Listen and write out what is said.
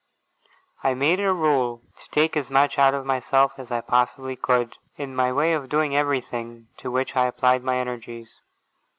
I made it a rule to take as much out of myself as I possibly could, in my way of doing everything to which I applied my energies.